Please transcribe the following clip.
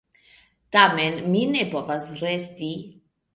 Tamen mi ne povas resti.